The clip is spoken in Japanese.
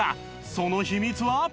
その秘密は？